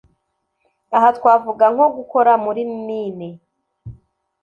aha twavuga nko gukora muri mine,